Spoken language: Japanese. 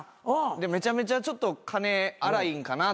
でめちゃめちゃちょっと金荒いんかなって。